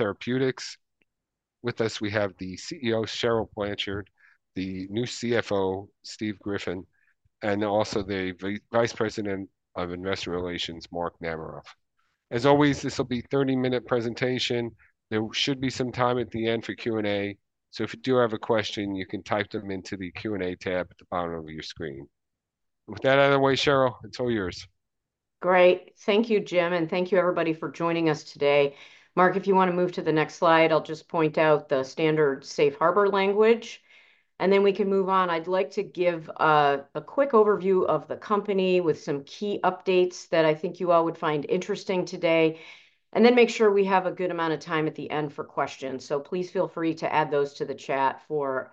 Therapeutics. With us, we have the CEO, Cheryl Blanchard, the new CFO, Steve Griffin, and also the Vice President of Investor Relations, Mark Namaroff. As always, this will be a 30-minute presentation. There should be some time at the end for Q&A, so if you do have a question, you can type them into the Q&A tab at the bottom of your screen. With that out of the way, Cheryl, it's all yours. Great. Thank you, Jim, and thank you everybody for joining us today. Mark, if you want to move to the next slide, I'll just point out the standard safe harbor language, and then we can move on. I'd like to give a quick overview of the company with some key updates that I think you all would find interesting today, and then make sure we have a good amount of time at the end for questions. So please feel free to add those to the chat for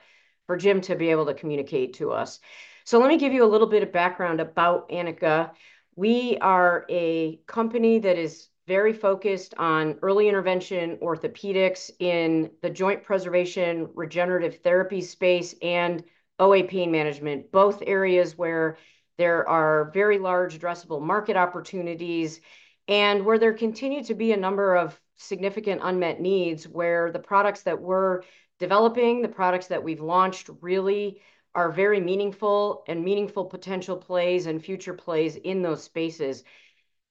Jim to be able to communicate to us. So let me give you a little bit of background about Anika. We are a company that is very focused on early intervention orthopedics in the joint preservation, regenerative therapy space, and OA pain management, both areas where there are very large addressable market opportunities, and where there continue to be a number of significant unmet needs, where the products that we're developing, the products that we've launched, really are very meaningful and meaningful potential plays and future plays in those spaces.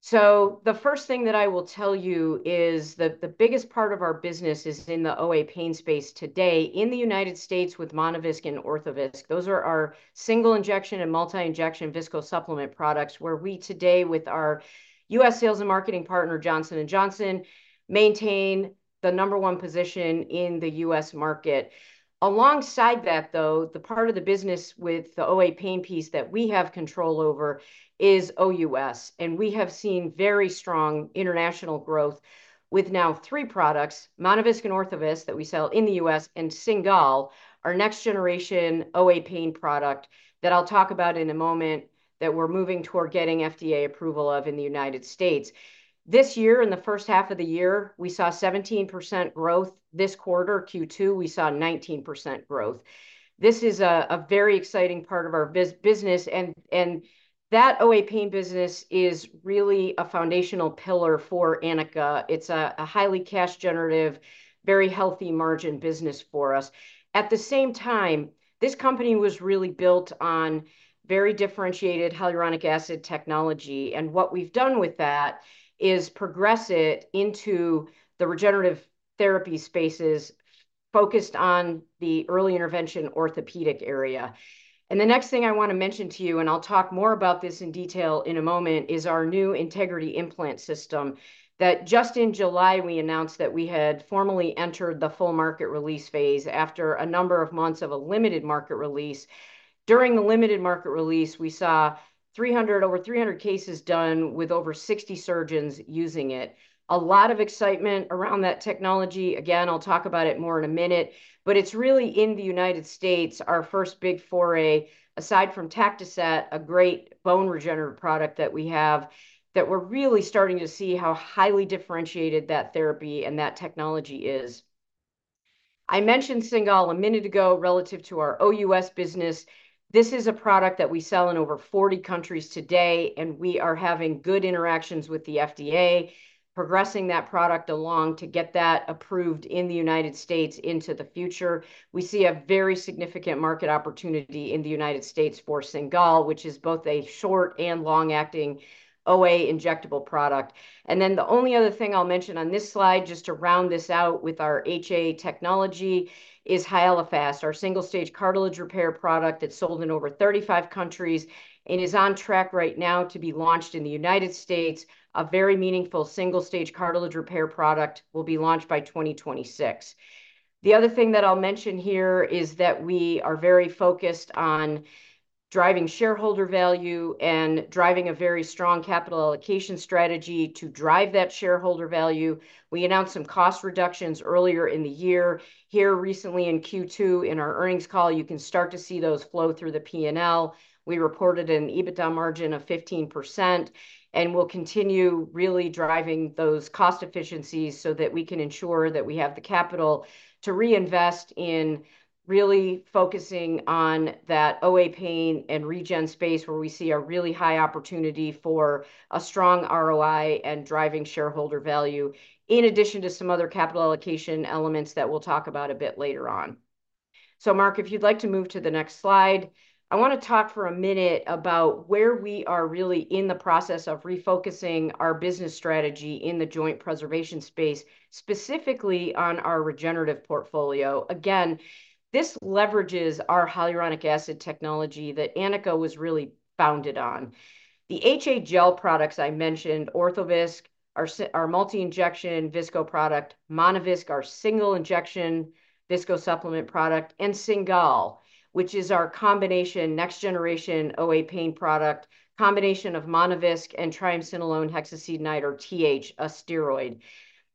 So the first thing that I will tell you is that the biggest part of our business is in the OA pain space today in the United States with Monovisc and Orthovisc. Those are our single injection and multi-injection viscosupplement products, where we today, with our US sales and marketing partner, Johnson & Johnson, maintain the number one position in the US market. Alongside that, though, the part of the business with the OA pain piece that we have control over is OUS, and we have seen very strong international growth with now three products, Monovisc and Orthovisc, that we sell in the US, and Cingal, our next generation OA pain product that I'll talk about in a moment, that we're moving toward getting FDA approval of in the United States. This year, in the first half of the year, we saw 17% growth. This quarter, Q2, we saw 19% growth. This is a very exciting part of our business, and that OA pain business is really a foundational pillar for Anika. It's a highly cash generative, very healthy margin business for us. At the same time, this company was really built on very differentiated Hyaluronic Acid technology, and what we've done with that is progress it into the regenerative therapy spaces focused on the early intervention orthopedic area. The next thing I want to mention to you, and I'll talk more about this in detail in a moment, is our new Integrity Implant System, that just in July, we announced that we had formally entered the full market release phase after a number of months of a Limited Market Release. During the Limited Market Release, we saw over 300 cases done with over 60 surgeons using it. A lot of excitement around that technology. Again, I'll talk about it more in a minute, but it's really in the United States, our first big foray, aside from Tactoset, a great bone regenerative product that we have, that we're really starting to see how highly differentiated that therapy and that technology is. I mentioned Cingal a minute ago, relative to our OUS business. This is a product that we sell in over 40 countries today, and we are having good interactions with the FDA, progressing that product along to get that approved in the United States into the future. We see a very significant market opportunity in the United States for Cingal, which is both a short and long-acting OA injectable product. Then the only other thing I'll mention on this slide, just to round this out with our HA technology, is Hyalofast, our single-stage cartilage repair product that's sold in over 35 countries and is on track right now to be launched in the United States. A very meaningful single-stage cartilage repair product will be launched by 2026. The other thing that I'll mention here is that we are very focused on driving shareholder value and driving a very strong capital allocation strategy to drive that shareholder value. We announced some cost reductions earlier in the year. Here recently in Q2, in our earnings call, you can start to see those flow through the P&L. We reported an EBITDA margin of 15%, and we'll continue really driving those cost efficiencies so that we can ensure that we have the capital to reinvest in really focusing on that OA pain and regen space, where we see a really high opportunity for a strong ROI and driving shareholder value, in addition to some other capital allocation elements that we'll talk about a bit later on. So Mark, if you'd like to move to the next slide, I want to talk for a minute about where we are really in the process of refocusing our business strategy in the joint preservation space, specifically on our regenerative portfolio. Again, this leverages our hyaluronic acid technology that Anika was really founded on. The HA gel products I mentioned, Orthovisc, our our multi-injection visco product, Monovisc, our single injection viscosupplement product, and Cingal, which is our combination next generation OA pain product, combination of Monovisc and Triamcinolone Hexacetonide or TH, a steroid.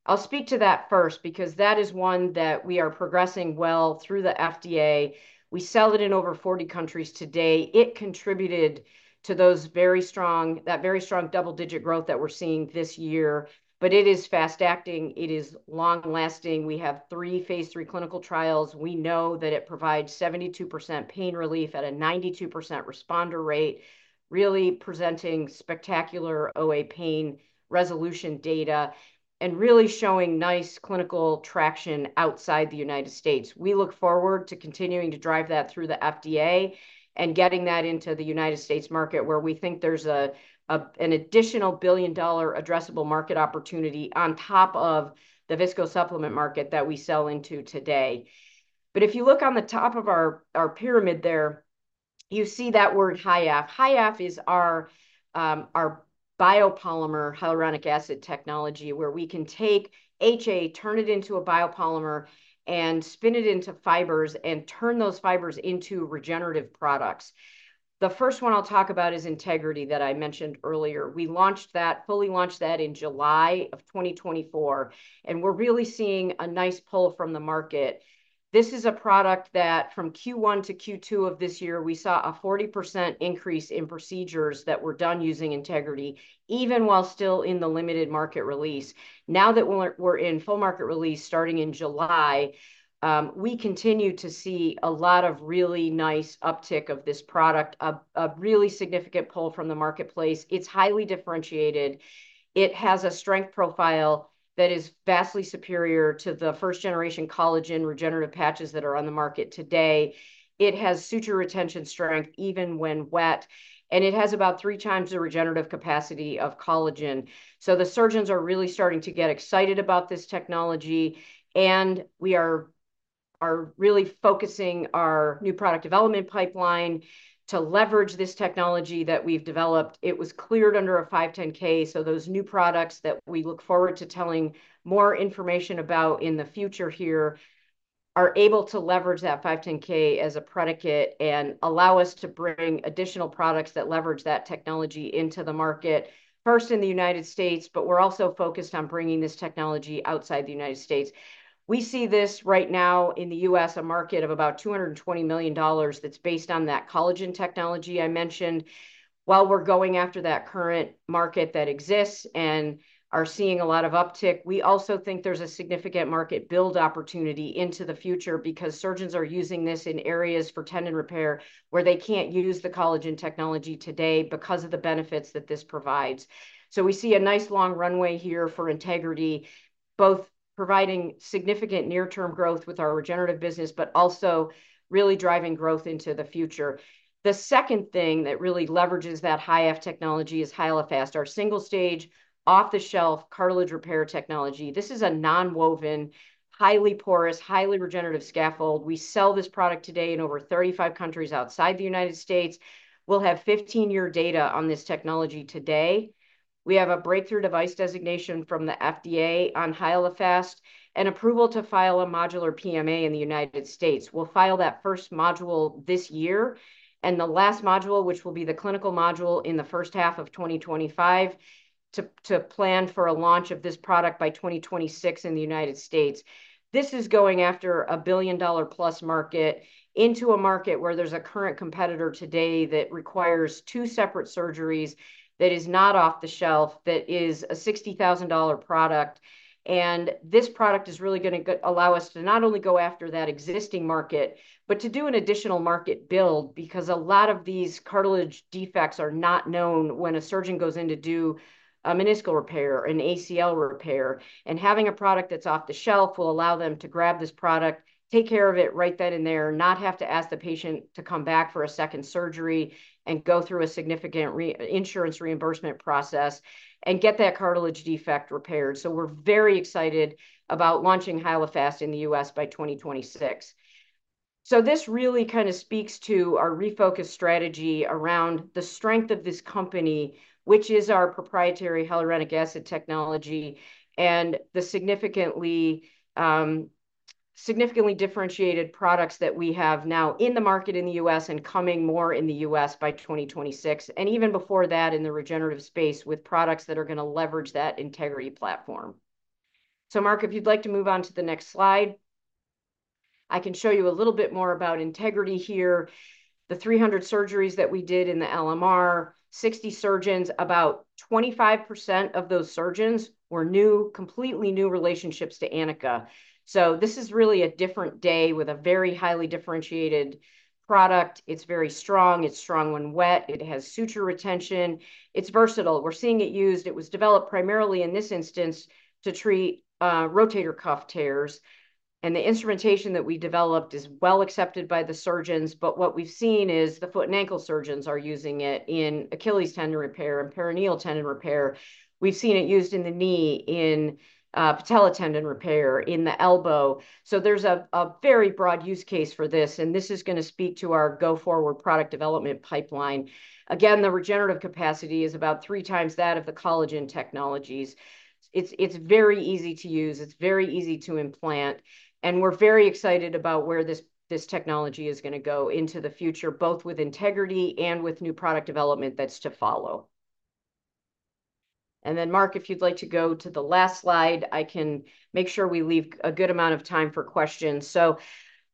I'll speak to that first, because that is one that we are progressing well through the FDA. We sell it in over 40 countries today. It contributed to those very strong... that very strong double-digit growth that we're seeing this year. But it is fast acting, it is long lasting. We have 3 phase III clinical trials. We know that it provides 72% pain relief at a 92% responder rate, really presenting spectacular OA pain resolution data and really showing nice clinical traction outside the United States. We look forward to continuing to drive that through the FDA and getting that into the United States market, where we think there's an additional billion-dollar addressable market opportunity on top of the viscosupplement market that we sell into today. But if you look on the top of our pyramid there, you see that word HYAF. HYAF is our biopolymer hyaluronic acid technology, where we can take HA, turn it into a biopolymer, and spin it into fibers, and turn those fibers into regenerative products. The first one I'll talk about is Integrity, that I mentioned earlier. We launched that, fully launched that in July of 2024, and we're really seeing a nice pull from the market. This is a product that from Q1 to Q2 of this year, we saw a 40% increase in procedures that were done using Integrity, even while still in the limited market release. Now that we're in full market release starting in July, we continue to see a lot of really nice uptick of this product, a really significant pull from the marketplace. It's highly differentiated. It has a strength profile that is vastly superior to the first-generation collagen regenerative patches that are on the market today. It has suture retention strength, even when wet, and it has about 3x the regenerative capacity of collagen. So the surgeons are really starting to get excited about this technology, and we are really focusing our new product development pipeline to leverage this technology that we've developed. It was cleared under a 510(k), so those new products that we look forward to telling more information about in the future here, are able to leverage that 510(k) as a predicate, and allow us to bring additional products that leverage that technology into the market, first in the United States, but we're also focused on bringing this technology outside the United States. We see this right now in the US, a market of about $220 million that's based on that collagen technology I mentioned. While we're going after that current market that exists and are seeing a lot of uptick, we also think there's a significant market build opportunity into the future because surgeons are using this in areas for tendon repair, where they can't use the collagen technology today because of the benefits that this provides. So we see a nice long runway here for Integrity, both providing significant near-term growth with our regenerative business, but also really driving growth into the future. The second thing that really leverages that HYAF technology is Hyalofast, our single-stage, off-the-shelf cartilage repair technology. This is a nonwoven, highly porous, highly regenerative scaffold. We sell this product today in over 35 countries outside the United States. We'll have 15-year data on this technology today. We have a breakthrough device designation from the FDA on Hyalofast, and approval to file a modular PMA in the United States. We'll file that first module this year, and the last module, which will be the clinical module, in the first half of 2025, to plan for a launch of this product by 2026 in the United States. This is going after a billion-dollar-plus market, into a market where there's a current competitor today that requires two separate surgeries, that is not off-the-shelf, that is a $60,000 product. And this product is really gonna allow us to not only go after that existing market, but to do an additional market build. Because a lot of these cartilage defects are not known when a surgeon goes in to do a meniscal repair, an ACL repair, and having a product that's off-the-shelf will allow them to grab this product, take care of it right then and there, not have to ask the patient to come back for a second surgery, and go through a significant insurance reimbursement process, and get that cartilage defect repaired. So we're very excited about launching Hyalofast in the US by 2026. So this really kinda speaks to our refocused strategy around the strength of this company, which is our proprietary hyaluronic acid technology, and the significantly, significantly differentiated products that we have now in the market in the US, and coming more in the US by 2026, and even before that in the regenerative space, with products that are gonna leverage that Integrity platform. So Mark, if you'd like to move on to the next slide, I can show you a little bit more about Integrity here. The 300 surgeries that we did in the LMR, 60 surgeons, about 25% of those surgeons were new, completely new relationships to Anika. So this is really a different day with a very highly differentiated product. It's very strong. It's strong when wet. It has suture retention. It's versatile. We're seeing it used... It was developed primarily in this instance to treat rotator cuff tears, and the instrumentation that we developed is well-accepted by the surgeons. But what we've seen is the foot and ankle surgeons are using it in Achilles tendon repair and peroneal tendon repair. We've seen it used in the knee, in patella tendon repair, in the elbow. So there's a very broad use case for this, and this is gonna speak to our go-forward product development pipeline. Again, the regenerative capacity is about three times that of the collagen technologies. It's very easy to use, it's very easy to implant, and we're very excited about where this technology is gonna go into the future, both with Integrity and with new product development that's to follow. And then Mark, if you'd like to go to the last slide, I can make sure we leave a good amount of time for questions. So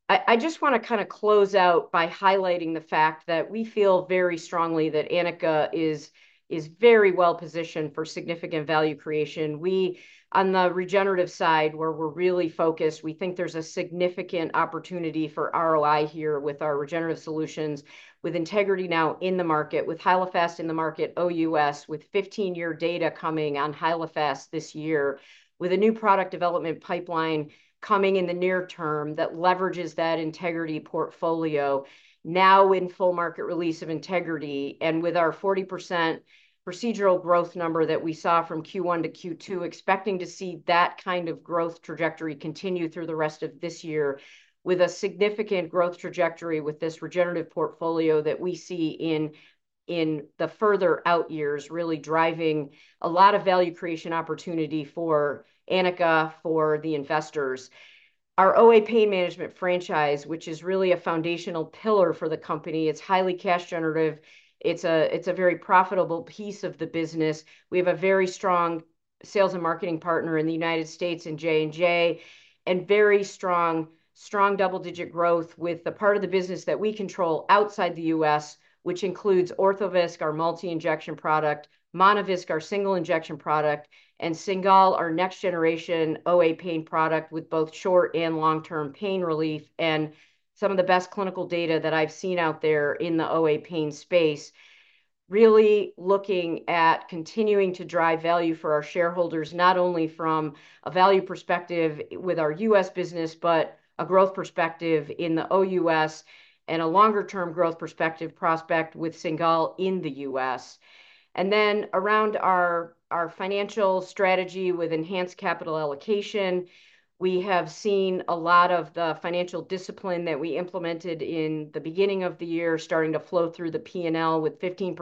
I, I just wanna kinda close out by highlighting the fact that we feel very strongly that Anika is, is very well-positioned for significant value creation. We, on the regenerative side, where we're really focused, we think there's a significant opportunity for ROI here with our regenerative solutions, with Integrity now in the market, with Hyalofast in the market OUS, with 15-year data coming on Hyalofast this year, with a new product development pipeline coming in the near term that leverages that Integrity portfolio, now in full market release of Integrity. With our 40% procedural growth number that we saw from Q1 to Q2, expecting to see that kind of growth trajectory continue through the rest of this year, with a significant growth trajectory with this regenerative portfolio that we see in the further out years, really driving a lot of value creation opportunity for Anika, for the investors. Our OA Pain Management franchise, which is really a foundational pillar for the company, it's highly cash generative, it's a, it's a very profitable piece of the business. We have a very strong sales and marketing partner in the United States, in J&J, and very strong, strong double-digit growth with the part of the business that we control outside the US, which includes Orthovisc, our multi-injection product, Monovisc, our single-injection product, and Cingal, our next-generation OA pain product with both short and long-term pain relief, and some of the best clinical data that I've seen out there in the OA pain space. Really looking at continuing to drive value for our shareholders, not only from a value perspective with our US business, but a growth perspective in the OUS, and a longer-term growth perspective prospect with Cingal in the US. Then around our financial strategy with enhanced capital allocation, we have seen a lot of the financial discipline that we implemented in the beginning of the year starting to flow through the P&L, with 15%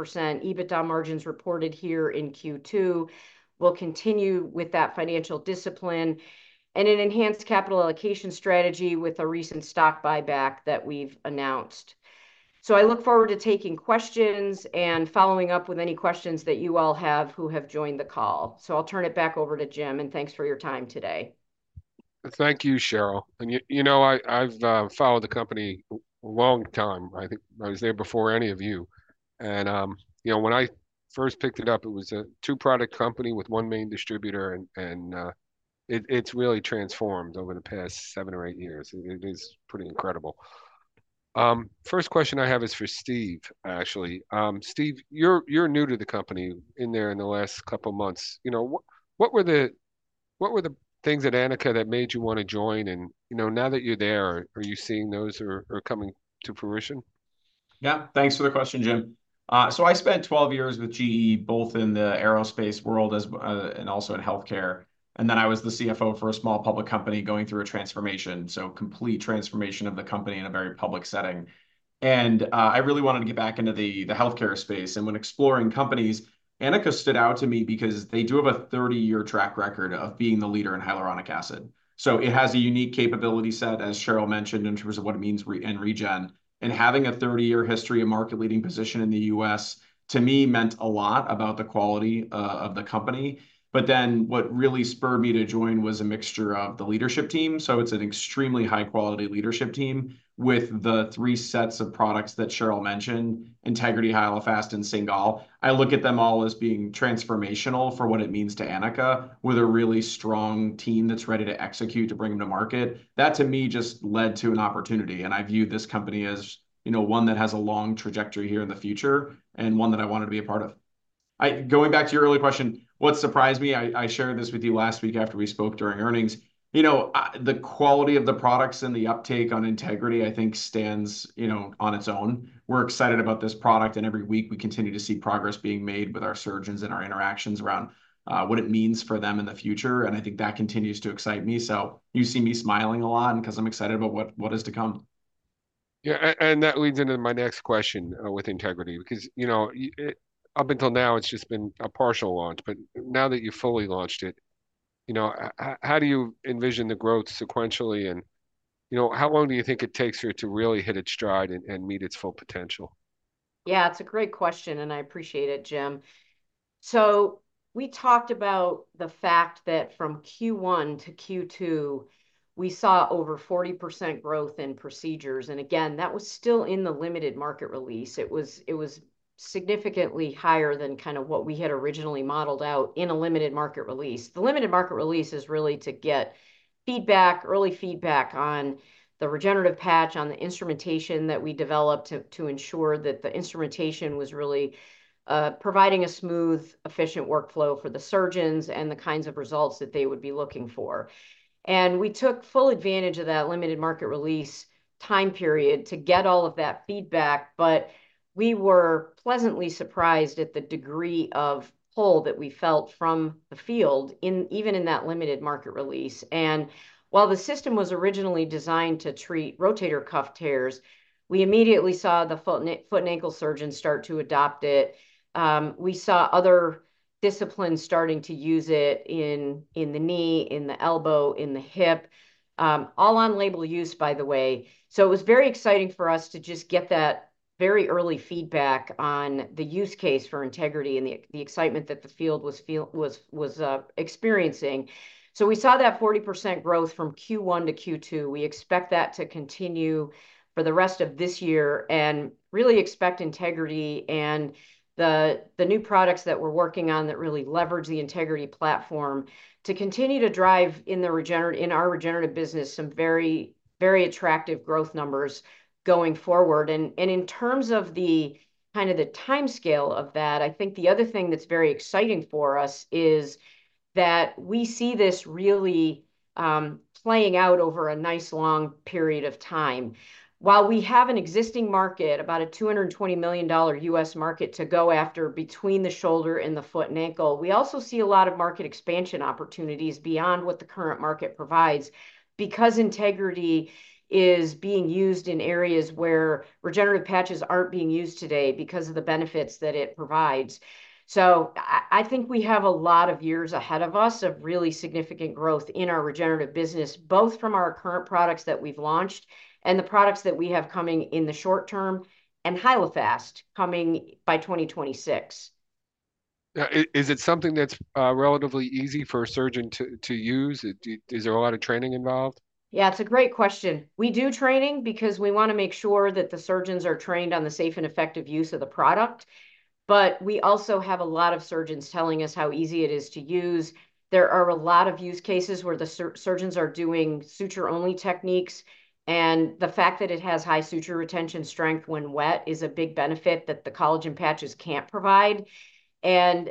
EBITDA margins reported here in Q2. We'll continue with that financial discipline and an enhanced capital allocation strategy with a recent stock buyback that we've announced. So I look forward to taking questions and following up with any questions that you all have who have joined the call. So I'll turn it back over to Jim, and thanks for your time today. Thank you, Cheryl. And you know, I've followed the company a long time, right? I was there before any of you. And you know, when I first picked it up, it was a two-product company with one main distributor, and it’s really transformed over the past seven or eight years. It is pretty incredible. First question I have is for Steve, actually. Steve, you're new to the company, in there in the last couple of months. You know, what were the things at Anika that made you wanna join? And you know, now that you're there, are you seeing those are coming to fruition? Yeah, thanks for the question, Jim. So I spent 12 years with GE, both in the aerospace world as well, and also in healthcare, and then I was the CFO for a small public company going through a transformation, so complete transformation of the company in a very public setting. And I really wanted to get back into the healthcare space, and when exploring companies, Anika stood out to me because they do have a 30-year track record of being the leader in hyaluronic acid. So it has a unique capability set, as Cheryl mentioned, in terms of what it means in regen, and having a 30-year history of market-leading position in the US, to me, meant a lot about the quality of the company. But then, what really spurred me to join was a mixture of the leadership team, so it's an extremely high-quality leadership team, with the three sets of products that Cheryl mentioned, Integrity, Hyalofast, and Cingal. I look at them all as being transformational for what it means to Anika, with a really strong team that's ready to execute to bring them to market. That, to me, just led to an opportunity, and I view this company as, you know, one that has a long trajectory here in the future and one that I wanted to be a part of. Going back to your earlier question, what surprised me, I shared this with you last week after we spoke during earnings, you know, the quality of the products and the uptake on Integrity, I think, stands, you know, on its own. We're excited about this product, and every week we continue to see progress being made with our surgeons and our interactions around what it means for them in the future, and I think that continues to excite me. So you see me smiling a lot, and 'cause I'm excited about what is to come. Yeah, and that leads into my next question, with Integrity, because, you know, it up until now, it's just been a partial launch, but now that you've fully launched it, you know, how do you envision the growth sequentially, and, you know, how long do you think it takes for it to really hit its stride and meet its full potential? Yeah, it's a great question, and I appreciate it, Jim. So we talked about the fact that from Q1 to Q2, we saw over 40% growth in procedures, and again, that was still in the Limited Market Release. It was, it was significantly higher than kind of what we had originally modeled out in a Limited Market Release. The Limited Market Release is really to get feedback, early feedback on the regenerative patch, on the instrumentation that we developed to, to ensure that the instrumentation was really providing a smooth, efficient workflow for the surgeons and the kinds of results that they would be looking for. And we took full advantage of that Limited Market Release time period to get all of that feedback, but we were pleasantly surprised at the degree of pull that we felt from the field in even in that Limited Market Release. While the system was originally designed to treat rotator cuff tears, we immediately saw foot and ankle surgeons start to adopt it. We saw other disciplines starting to use it in the knee, in the elbow, in the hip, all on label use, by the way. It was very exciting for us to just get that very early feedback on the use case for Integrity and the excitement that the field was experiencing. We saw that 40% growth from Q1 to Q2. We expect that to continue for the rest of this year, and really expect Integrity and the new products that we're working on that really leverage the Integrity platform, to continue to drive in our regenerative business, some very, very attractive growth numbers going forward. In terms of the kind of the timescale of that, I think the other thing that's very exciting for us is that we see this really playing out over a nice, long period of time. While we have an existing market, about a $220 million US market to go after between the shoulder and the foot and ankle, we also see a lot of market expansion opportunities beyond what the current market provides, because Integrity is being used in areas where regenerative patches aren't being used today because of the benefits that it provides. So I think we have a lot of years ahead of us of really significant growth in our regenerative business, both from our current products that we've launched and the products that we have coming in the short term, and Hyalofast coming by 2026. Is it something that's relatively easy for a surgeon to use? Is there a lot of training involved? Yeah, it's a great question. We do training because we wanna make sure that the surgeons are trained on the safe and effective use of the product, but we also have a lot of surgeons telling us how easy it is to use. There are a lot of use cases where the surgeons are doing suture-only techniques, and the fact that it has high suture retention strength when wet is a big benefit that the collagen patches can't provide. You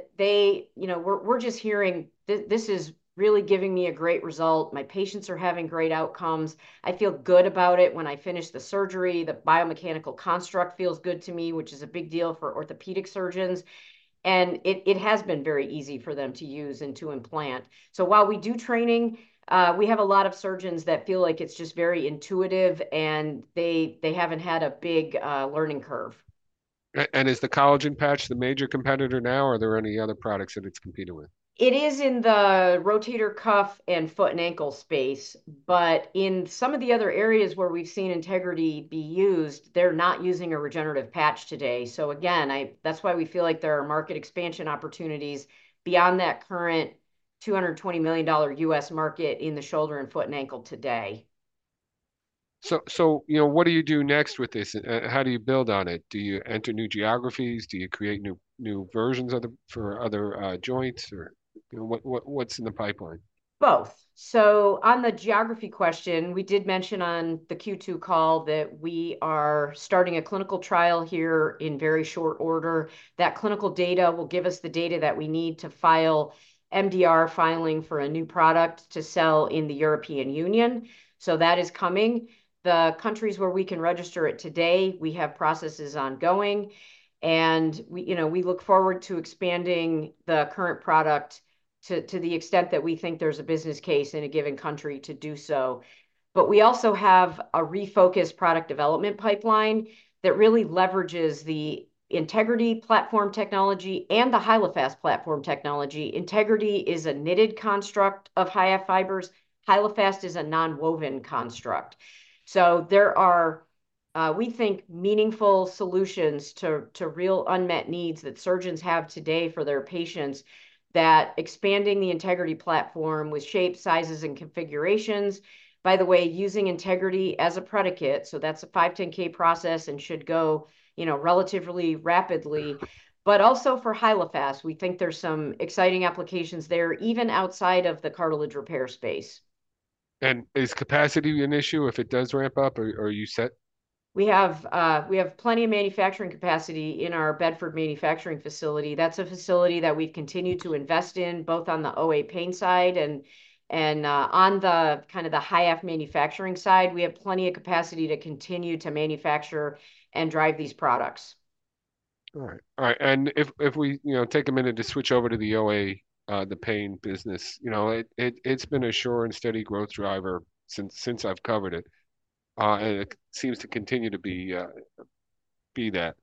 know, we're just hearing, "This, this is really giving me a great result. My patients are having great outcomes. I feel good about it when I finish the surgery. The biomechanical construct feels good to me," which is a big deal for orthopedic surgeons. And it has been very easy for them to use and to implant. So while we do training, we have a lot of surgeons that feel like it's just very intuitive, and they haven't had a big learning curve. Is the collagen patch the major competitor now, or are there any other products that it's competing with? It is in the rotator cuff and foot and ankle space, but in some of the other areas where we've seen Integrity be used, they're not using a regenerative patch today. So again, that's why we feel like there are market expansion opportunities beyond that current $220 million US market in the shoulder and foot and ankle today. So, you know, what do you do next with this, and how do you build on it? Do you enter new geographies? Do you create new versions of the for other joints, or, you know, what's in the pipeline? Both. So on the geography question, we did mention on the Q2 call that we are starting a clinical trial here in very short order. That clinical data will give us the data that we need to file MDR filing for a new product to sell in the European Union, so that is coming. The countries where we can register it today, we have processes ongoing, and we, you know, we look forward to expanding the current product to, to the extent that we think there's a business case in a given country to do so. But we also have a refocused product development pipeline that really leverages the Integrity platform technology and the Hyalofast platform technology. Integrity is a knitted construct of HYAFF fibers. Hyalofast is a non-woven construct. So there are, we think, meaningful solutions to real unmet needs that surgeons have today for their patients, that expanding the Integrity platform with shapes, sizes, and configurations. By the way, using Integrity as a predicate, so that's a 510(k) process and should go, you know, relatively rapidly. But also for Hyalofast, we think there's some exciting applications there, even outside of the cartilage repair space. Is capacity an issue if it does ramp up, or are you set? We have plenty of manufacturing capacity in our Bedford manufacturing facility. That's a facility that we've continued to invest in, both on the OA pain side and on the kinda the HYAF manufacturing side. We have plenty of capacity to continue to manufacture and drive these products. All right. All right, and if we, you know, take a minute to switch over to the OA, the pain business, you know, it, it's been a sure and steady growth driver since I've covered it. And it seems to continue to be that.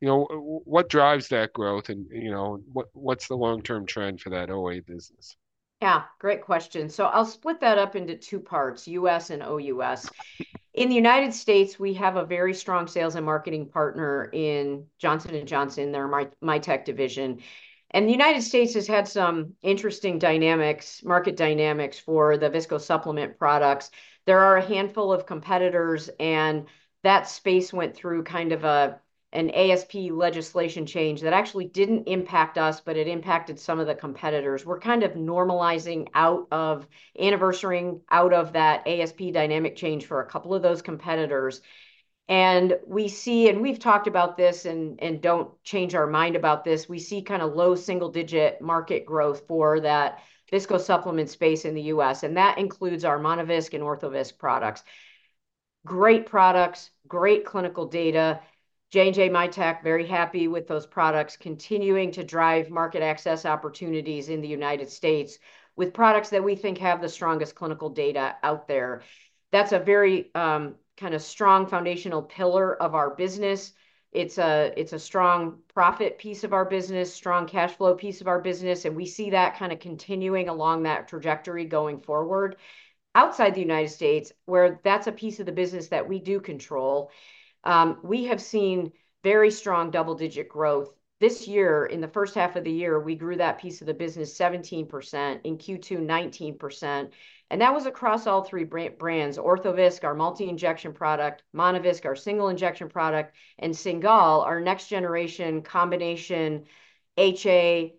You know, what drives that growth, and, you know, what's the long-term trend for that OA business? Yeah, great question. So I'll split that up into two parts, US and OUS. In the United States, we have a very strong sales and marketing partner in Johnson & Johnson, their Mitek division. And the United States has had some interesting dynamics, market dynamics for the viscosupplement products. There are a handful of competitors, and that space went through kind of a, an ASP legislation change that actually didn't impact us, but it impacted some of the competitors. We're kind of normalizing out of, anniversary-ing out of that ASP dynamic change for a couple of those competitors. And we see, and we've talked about this, and, and don't change our mind about this, we see kinda low single-digit market growth for that viscosupplement space in the US, and that includes our Monovisc and Orthovisc products. Great products, great clinical data. J&J Mitek very happy with those products, continuing to drive market access opportunities in the United States with products that we think have the strongest clinical data out there. That's a very, kinda strong foundational pillar of our business. It's a, it's a strong profit piece of our business, strong cash flow piece of our business, and we see that kinda continuing along that trajectory going forward. Outside the United States, where that's a piece of the business that we do control, we have seen very strong double-digit growth. This year, in the first half of the year, we grew that piece of the business 17%, in Q2, 19%, and that was across all three brands: Orthovisc, our multi-injection product; Monovisc, our single-injection product; and Cingal, our next-generation combination HA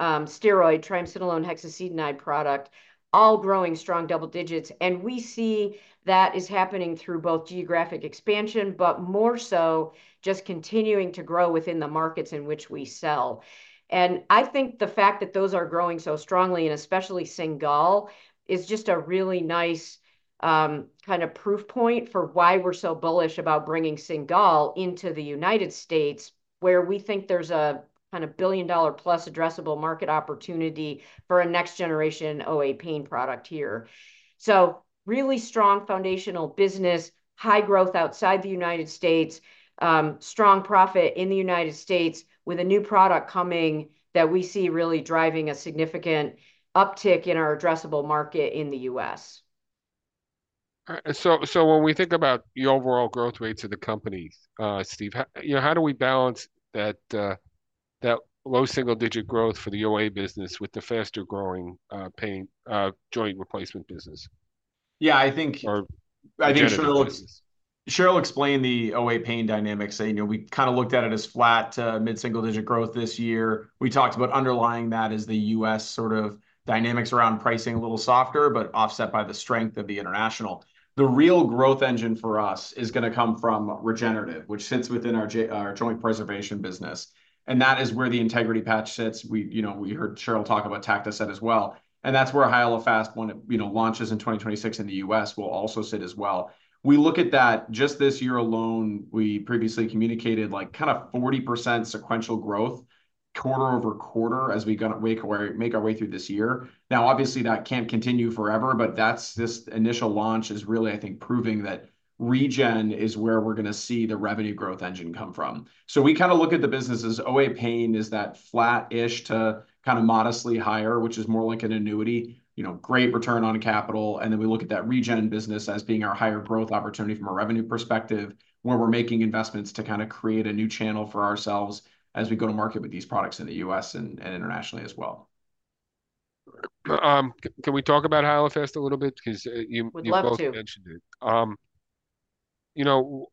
steroid triamcinolone hexacetonide product, all growing strong double digits. We see that is happening through both geographic expansion, but more so just continuing to grow within the markets in which we sell. I think the fact that those are growing so strongly, and especially Cingal, is just a really nice, kind of proof point for why we're so bullish about bringing Cingal into the United States, where we think there's a kind of billion-dollar-plus addressable market opportunity for a next generation OA pain product here. Really strong foundational business, high growth outside the United States, strong profit in the United States, with a new product coming that we see really driving a significant uptick in our addressable market in the US. All right, so when we think about the overall growth rates of the company, Steve, how, you know, how do we balance that low single-digit growth for the OA business with the faster-growing, pain, joint replacement business? Yeah, I think- Or regenerative business. I think Cheryl, Cheryl explained the OA pain dynamics. You know, we kind of looked at it as flat to mid-single-digit growth this year. We talked about underlying that as the US sort of dynamics around pricing a little softer, but offset by the strength of the international. The real growth engine for us is gonna come from regenerative, which sits within our our joint preservation business, and that is where the Integrity patch sits. We, you know, we heard Cheryl talk about Tactoset as well, and that's where Hyalofast, when it, you know, launches in 2026 in the US, will also sit as well. We look at that, just this year alone, we previously communicated, like, kind of 40% sequential growth quarter-over-quarter as we gonna make our way, make our way through this year. Now, obviously, that can't continue forever, but that's... This initial launch is really, I think, proving that regen is where we're gonna see the revenue growth engine come from. So we kind of look at the business as OA pain is that flat-ish to kind of modestly higher, which is more like an annuity, you know, great return on capital. And then we look at that regen business as being our higher growth opportunity from a revenue perspective, where we're making investments to kind of create a new channel for ourselves as we go to market with these products in the US and, and internationally as well. Can we talk about Hyalofast a little bit? Because, you- Would love to... you both mentioned it. You know,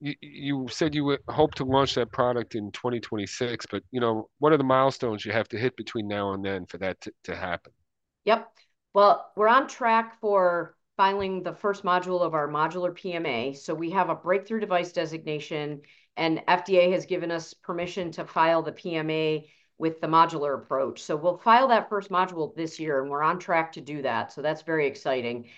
you said you would hope to launch that product in 2026, but, you know, what are the milestones you have to hit between now and then for that to happen? Yep. Well, we're on track for filing the first module of our modular PMA. So we have a breakthrough device designation, and FDA has given us permission to file the PMA with the modular approach. So we'll file that first module this year, and we're on track to do that, so that's very exciting.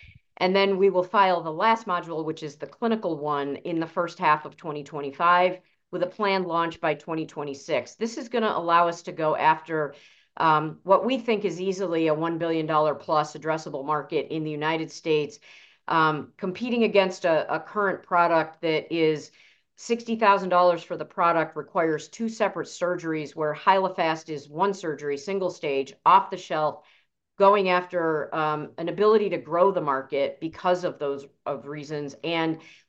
And then we will file the last module, which is the clinical one, in the first half of 2025, with a planned launch by 2026. This is gonna allow us to go after what we think is easily a $1 billion-plus addressable market in the United States, competing against a current product that is $60,000 for the product, requires two separate surgeries, where Hyalofast is one surgery, single stage, off the shelf, going after an ability to grow the market because of those reasons.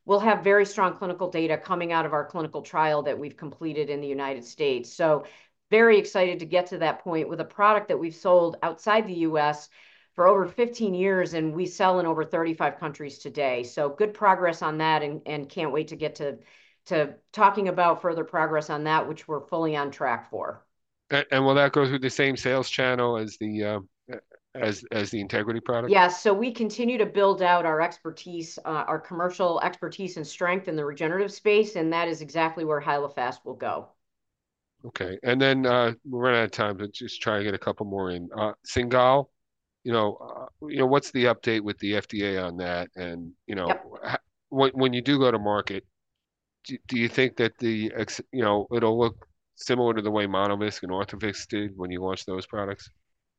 We'll have very strong clinical data coming out of our clinical trial that we've completed in the United States. So very excited to get to that point with a product that we've sold outside the US for over 15 years, and we sell in over 35 countries today. So good progress on that and can't wait to get to talking about further progress on that, which we're fully on track for. Will that go through the same sales channel as the Integrity product? Yes, so we continue to build out our expertise, our commercial expertise and strength in the regenerative space, and that is exactly where Hyalofast will go. Okay, and then, we're running out of time, but just try and get a couple more in. Cingal, you know, you know, what's the update with the FDA on that? And, you know- Yep... when you do go to market, do you think that the ex- you know, it'll look similar to the way Monovisc and Orthovisc did when you launched those products?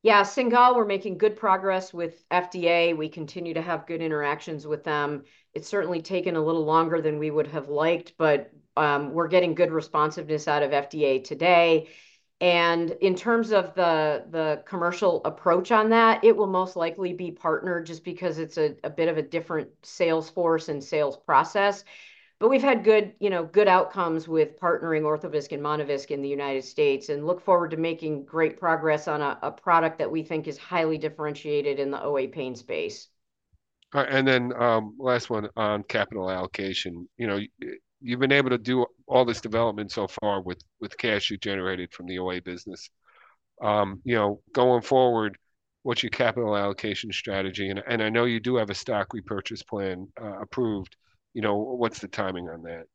Yeah, Cingal, we're making good progress with FDA. We continue to have good interactions with them. It's certainly taken a little longer than we would have liked, but we're getting good responsiveness out of FDA today. And in terms of the commercial approach on that, it will most likely be partnered, just because it's a bit of a different sales force and sales process. But we've had good, you know, good outcomes with partnering Orthovisc and Monovisc in the United States, and look forward to making great progress on a product that we think is highly differentiated in the OA pain space. All right, and then last one on capital allocation. You know, you've been able to do all this development so far with cash you generated from the OA business. You know, going forward, what's your capital allocation strategy? And I know you do have a stock repurchase plan approved. You know, what's the timing on that?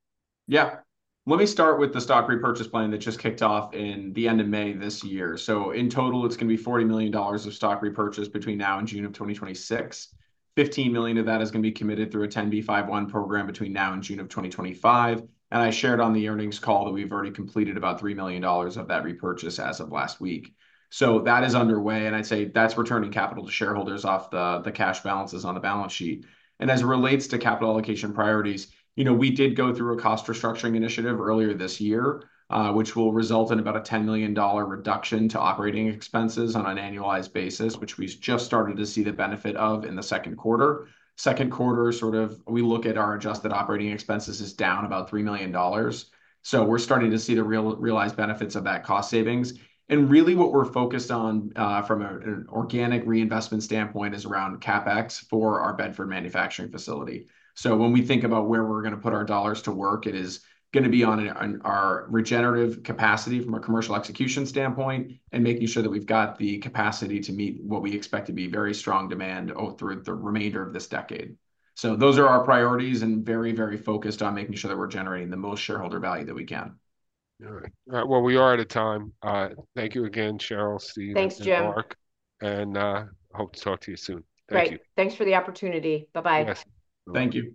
Yeah. Let me start with the stock repurchase plan that just kicked off in the end of May this year. So in total, it's gonna be $40 million of stock repurchase between now and June of 2026. $15 million of that is gonna be committed through a 10b5-1 program between now and June of 2025, and I shared on the earnings call that we've already completed about $3 million of that repurchase as of last week. So that is underway, and I'd say that's returning capital to shareholders off the, the cash balances on the balance sheet. As it relates to capital allocation priorities, you know, we did go through a cost restructuring initiative earlier this year, which will result in about a $10 million reduction to operating expenses on an annualized basis, which we've just started to see the benefit of in Q2. Q2, sort of, we look at our adjusted operating expenses is down about $3 million, so we're starting to see the realized benefits of that cost savings. And really, what we're focused on, from an organic reinvestment standpoint, is around CapEx for our Bedford manufacturing facility. So when we think about where we're gonna put our dollars to work, it is gonna be on our regenerative capacity from a commercial execution standpoint, and making sure that we've got the capacity to meet what we expect to be very strong demand all through the remainder of this decade. So those are our priorities, and very, very focused on making sure that we're generating the most shareholder value that we can. All right. All right, well, we are out of time. Thank you again, Cheryl, Steve- Thanks, Jim... and Mark. Hope to talk to you soon. Thank you. Great. Thanks for the opportunity. Bye bye. Yes. Thank you.